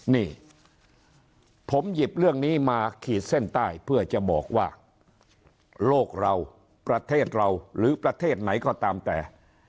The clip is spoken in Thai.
นี่ผมหยิบเรื่องนี้มาขีดเส้นใต้เพื่อจะบอกว่าโลกเราประเทศเราหรือประเทศไหนก็ตามแต่